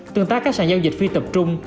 tương tác các sản giao dịch phi tập trung